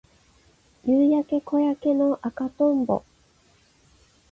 夕焼け小焼けの赤とんぼ